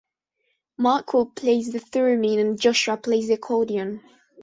Michael plays the theremin and Joshua plays the accordion.